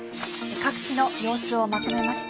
各地の様子をまとめました。